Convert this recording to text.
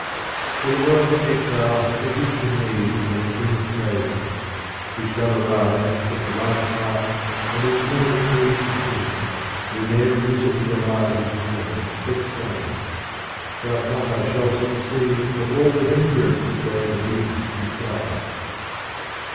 For Ihe world's exile hath a richer meed Than a king's favourite : he shall arrive With the like triumph and return decreed To him who ne'er revisited alive His home but sang, — Doubt not I shall succeed For all the hindrance they within contrive.